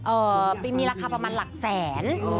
มีราคาประมาณหลักแสน